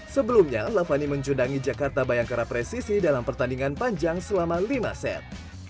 sebelumnya lavani mencundangi jakarta bayangkara presisi dalam pertandingan panjang selama lima set